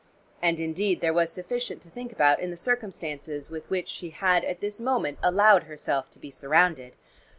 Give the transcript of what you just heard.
And indeed there was sufficient to think about in the circumstances with which she had at this moment allowed herself to be surrounded.